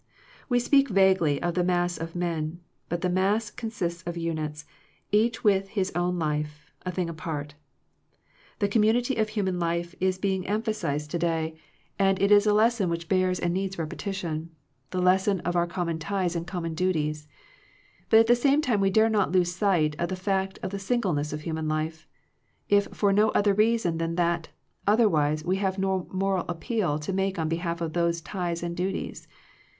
We speak vaguely of the mass of men, but the mass consists of units, each with his own life, a thing apart. The com munity of human life is being emphasized ao4 Digitized by VjOOQIC THE LIMITS OF FRIENDSHIP to day* and it is a lesson which bears and needs repetition, the lesson of our com mon ties and common duties. But at the same time we dare not lose sight of the fact of the singleness of human life, if for no other reason than that, otherwise we have no moral appeal to make on behalf of those ties and duties.